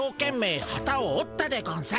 ハタをおったでゴンス。